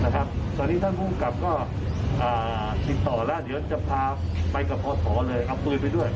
ตอนนี้ท่านภูมิกับก็ติดต่อแล้วเดี๋ยวจะพาไปกับพศเลยเอาปืนไปด้วย